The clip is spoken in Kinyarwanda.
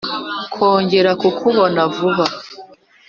kongera kukubona vuba